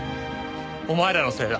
お前らのせいだ。